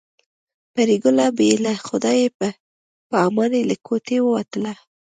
پري ګله بې له خدای په امانۍ له کوټې ووتله